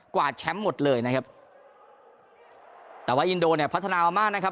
วาดแชมป์หมดเลยนะครับแต่ว่าอินโดเนี่ยพัฒนามามากนะครับ